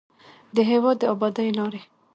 د هېواد د ابادۍ لارې